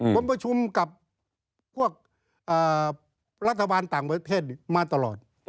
ผมประชุมกับพวกรัฐบาลต่างประเทศมาตลอด